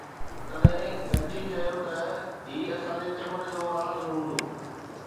تڏهن گنچي چيو ته هي اسان جي چمن جو راز هوندو